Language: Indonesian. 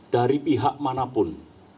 dari pihak manapun